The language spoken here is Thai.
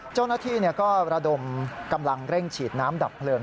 เจ้าหน้าที่ก็ระดมกำลังเร่งฉีดน้ำดับเพลิง